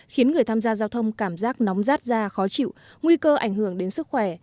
khiến người tham gia giao thông cảm giác nóng rát ra khó chịu nguy cơ ảnh hưởng đến sức khỏe